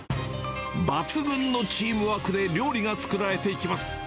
抜群のチームワークで料理が作られていきます。